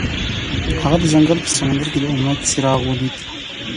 هغه د ځنګل په سمندر کې د امید څراغ ولید.